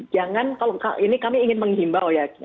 jangan kalau ini kami ingin menghimbau ya